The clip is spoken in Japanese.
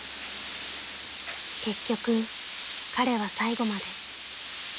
［結局彼は最後まで］